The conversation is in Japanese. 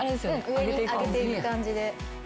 上げていく感じ。